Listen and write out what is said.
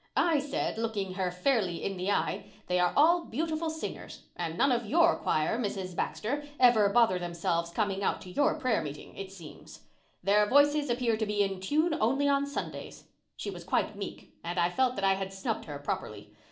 I said, looking her fairly in the eye, 'They are all beautiful singers, and none of your choir, Mrs. Baxter, ever bother themselves coming out to your prayer meeting, it seems. Their voices appear to be in tune only on Sundays!' She was quite meek and I felt that I had snubbed her properly.